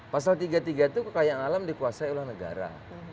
pasal tiga puluh tiga itu kekayaan alam dikuasai oleh negara